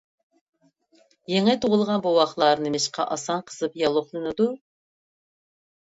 يېڭى تۇغۇلغان بوۋاقلار نېمىشقا ئاسان قىزىپ ياللۇغلىنىدۇ؟